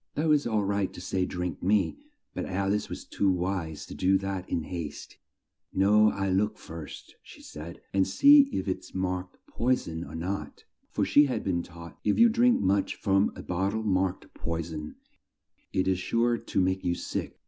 It was all right to say "Drink me," but Al ice was too wise to do that in haste: "No, I'll look first," she said, "and see if it's marked 'poi son' or not," for she had been taught if you drink much from a bot tle marked 'poi son,' it is sure to make you sick.